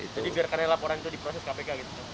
jadi biarkan laporan itu diproses kpk gitu